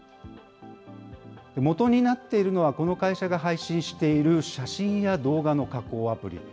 元になっているのはこの会社が配信している写真や動画の加工アプリ。